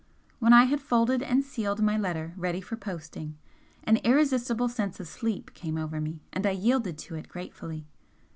When I had folded and sealed my letter ready for posting, an irresistible sense of sleep came over me, and I yielded to it gratefully.